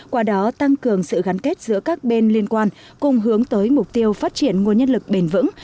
qua đó tăng cường sự gắn kết giữa các bên liên quan cùng hướng tới mục tiêu phát triển nguồn nhân lực bền vững